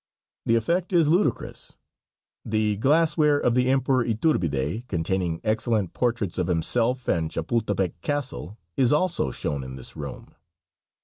The effect is ludicrous. The glass ware of the Emperor Iturbide, containing excellent portraits of himself and Chapultepec Castle, is also shown in this room.